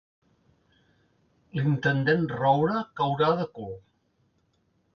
L'intendent Roure caurà de cul.